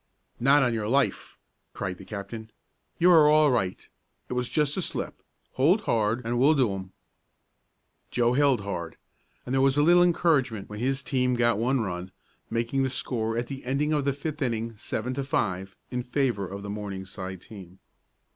"Not on your life!" cried the captain. "You are all right. It was just a slip. Hold hard and we'll do 'em." Joe held hard, and there was a little encouragement when his team got one run, making the score at the ending of the fifth inning seven to five in favor of the Morningside team.